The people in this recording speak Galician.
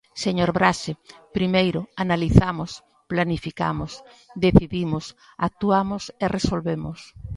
Señor Braxe, primeiro, analizamos, planificamos, decidimos, actuamos e resolvemos.